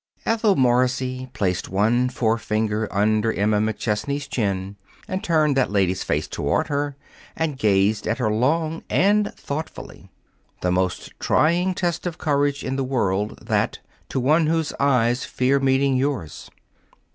Ethel Morrissey placed one forefinger under Emma McChesney's chin and turned that lady's face toward her and gazed at her long and thoughtfully the most trying test of courage in the world, that, to one whose eyes fear meeting yours.